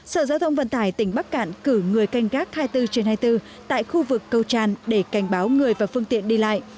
sở giao thông vận tải tỉnh bắc cạn cử người canh gác hai mươi bốn trên hai mươi bốn tại khu vực câu tràn để cảnh báo người và phương tiện đi lại